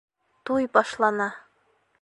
Туй башлана.